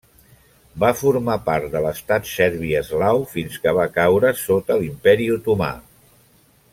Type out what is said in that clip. Va formar part de l'estat serbi eslau fins que va caure sota l'Imperi Otomà.